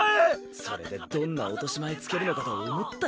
それでどんな落とし前つけるのかと思ったら。